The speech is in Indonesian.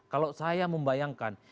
kalau saya membayangkan